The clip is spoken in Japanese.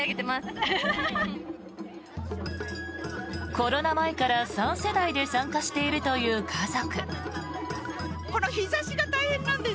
コロナ前から３世代で参加しているという家族。